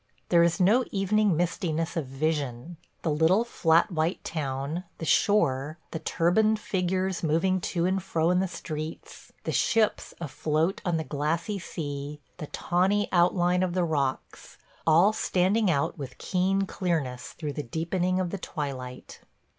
There is no evening mistiness of vision; the little flat white town, the shore, the turbaned figures moving to and fro in the streets, the ships afloat on the glassy sea, the tawny outline of the rocks – all standing out with keen clearness through the deepening of the twilight.